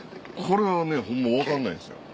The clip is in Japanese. これはねホンマ分かんないんですよ。